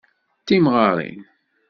D timɣarin.